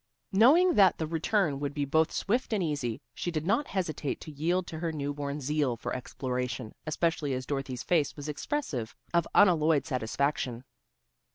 Knowing that the return would be both swift and easy, she did not hesitate to yield to her new born zeal for exploration, especially as Dorothy's face was expressive of unalloyed satisfaction.